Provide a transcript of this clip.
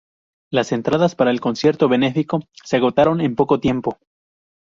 Las entradas para el concierto beneficio se agotaron en poco tiempo.